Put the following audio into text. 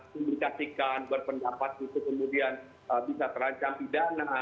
publikasikan berpendapat itu kemudian bisa terancam pidana